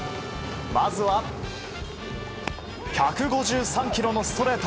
まずは１５３キロのストレート。